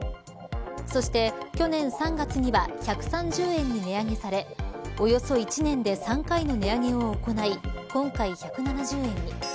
そして、去年３月には１３０円に値上げされおよそ１年で３回の値上げを行い今回１７０円に。